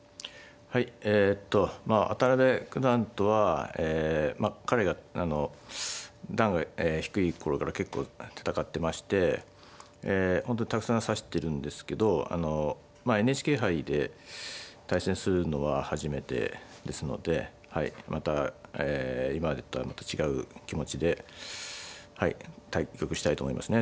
はいえっとまあ渡辺九段とは彼が段が低い頃から結構戦ってまして本当にたくさん指してるんですけどＮＨＫ杯で対戦するのは初めてですのでまた今までとはまた違う気持ちで対局したいと思いますね。